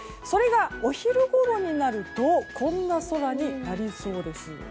それがお昼ごろになるとこんな空になりそうです。